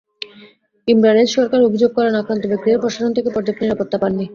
Imran H Sarkar অভিযোগ করেন, আক্রান্ত ব্যক্তিরা প্রশাসন থেকে পর্যাপ্ত নিরাপত্তা পাননি।